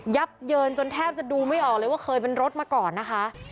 ับเยินจนแทบจะดูไม่ออกเลยว่าเคยเป็นรถมาก่อนนะคะ